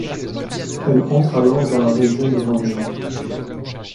Elle entre alors dans la région de Banja.